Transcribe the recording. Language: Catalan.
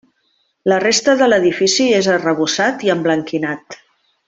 La resta de l'edifici és arrebossat i emblanquinat.